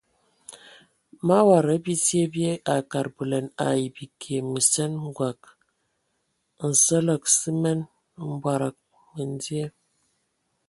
Mawad a bisye bye a kad bələna ai bikie məsen, ngɔg, nsələg simen, mbɔdɔgɔ məndie.